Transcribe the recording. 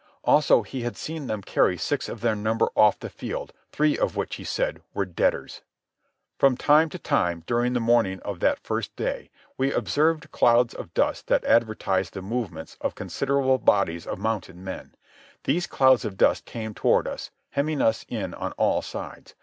Also he had seen them carry six of their number off the field, three of which, he said, were deaders. From time to time, during the morning of that first day, we observed clouds of dust that advertised the movements of considerable bodies of mounted men. These clouds of dust came toward us, hemming us in on all sides.